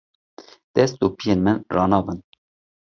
Dest û piyên min ranabin.